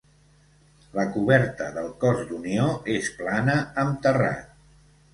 La coberta del cos d'unió és plana amb terrat.